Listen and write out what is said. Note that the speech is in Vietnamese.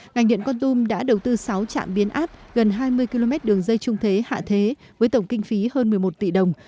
ngành điện con tum đã đầu tư sáu trạm biến áp gần hai mươi km đường dây trung thế hạ thế với tổng kinh phí hơn một mươi một tỷ đồng